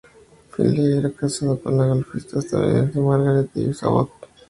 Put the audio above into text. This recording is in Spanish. Finley era casado con la golfista estadounidense Margaret Ives Abbott.